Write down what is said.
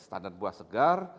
standar buah segar